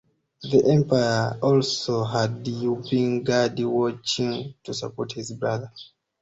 The emperor also had Yu Bing guard Wuchang to support his brother.